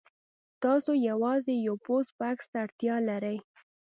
تاسو یوازې یو پوسټ بکس ته اړتیا لرئ